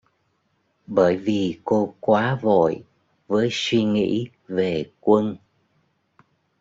Bởi vì cô quá vội với suy nghĩ về quân